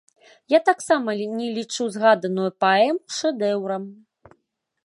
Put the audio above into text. Я таксама не лічу згаданую паэму шэдэўрам.